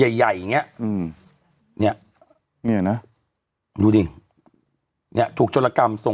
ใหญ่ใหญ่อย่างเงี้ยอืมเนี้ยเนี้ยนะดูดิเนี่ยถูกโจรกรรมส่ง